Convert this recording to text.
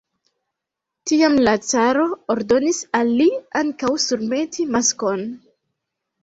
Tiam la caro ordonis al li ankaŭ surmeti maskon.